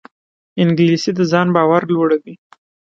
انګلیسي د ځان باور لوړوي